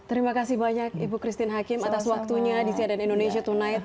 terima kasih banyak ibu christine hakim atas waktunya di cnn indonesia tonight